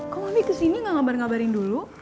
kok mami kesini gak ngabarin ngabarin dulu